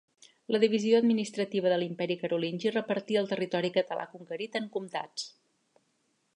La divisió administrativa de l'imperi Carolingi repartí el territori català conquerit en comtats.